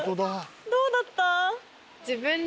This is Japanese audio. どうだった？